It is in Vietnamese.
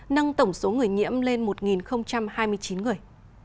nâng tổng số người nhiễm lên một hai mươi chín người